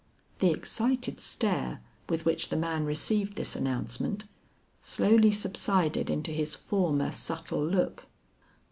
The excited stare with which the man received this announcement, slowly subsided into his former subtle look.